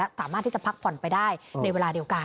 สามารถที่จะพักผ่อนไปได้ในเวลาเดียวกัน